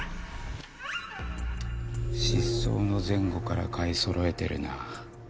失踪の前後から買いそろえてるな。